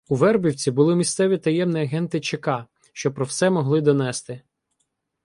У Вербівці були місцеві таємні агенти ЧК, що про все могли донести.